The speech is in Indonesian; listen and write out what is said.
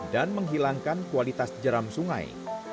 dan menghilangkan kualitas jram sungai